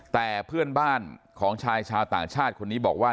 แต่เพื่อนบ้านของชายชาวต่างชาติคนนี้บอกว่า